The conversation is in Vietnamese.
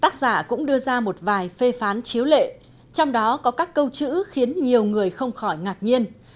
tác giả cũng đưa ra một vài phê phán chiếu lệ trong đó có các câu chữ khiến nhiều người không khỏi ngạc nhiên